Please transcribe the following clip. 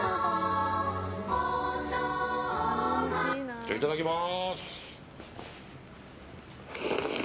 じゃあ、いただきます。